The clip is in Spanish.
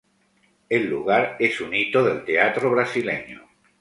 El lugar es un hito del teatro brasileño.